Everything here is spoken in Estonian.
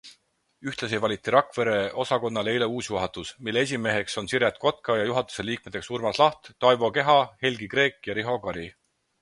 Ühtlasi valiti Rakvere osakonnale eile uus juhatus, mille esimeheks on Siret Kotka ja juhatuse liikmeteks Urmas Laht, Toivo Keva, Helgi Kreek ja Riho Kari.